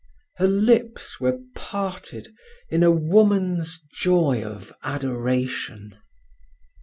Her lips were parted in a woman's joy of adoration.